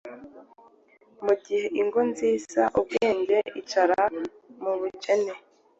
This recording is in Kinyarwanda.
Mugihe Ingo nzizaUbwenge, icara mubukene